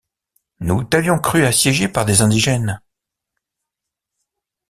Nous t’avions cru assiégé par des indigènes.